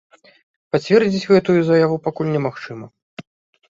Пацвердзіць гэтую заяву пакуль немагчыма.